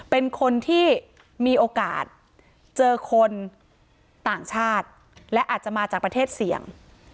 เป็นคนที่มีโอกาสเจอคนต่างชาติและอาจจะมาจากประเทศเสี่ยง